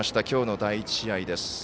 きょうの第１試合です。